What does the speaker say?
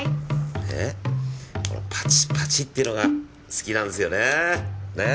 ねぇこのパチパチっていうのが好きなんですよねねぇ。